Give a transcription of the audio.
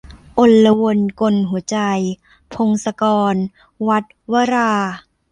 อลวนกลหัวใจ - พงศกร - วัสส์ วรา